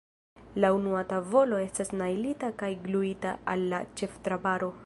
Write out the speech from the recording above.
La unua tavolo estas najlita kaj gluita al la ĉeftrabaro.